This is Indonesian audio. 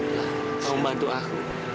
kamu mau bantu aku